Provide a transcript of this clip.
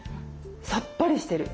さっぱりしてる。